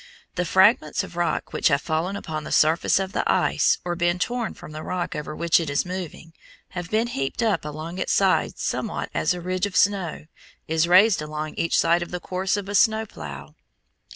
The fragments of rock which have fallen upon the surface of the ice or been torn from the rock over which it is moving, have been heaped up along its sides somewhat as a ridge of snow is raised along each side of the course of a snow plough.